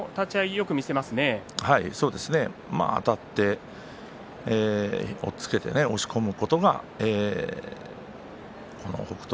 よくあたって押っつけて押し込むことが北勝